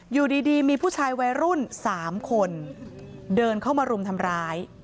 อยู่ดีมีผู้ชายวัยรุ่น๓คนเดินเข้ามารุมทำร้าย